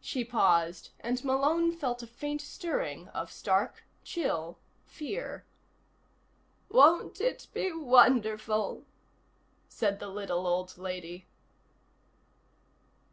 She paused and Malone felt a faint stirring of stark, chill fear. "Won't it be wonderful?" said the little old lady. 4 "You're where?"